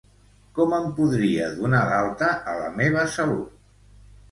Com em podria donar d'alta a La meva salut?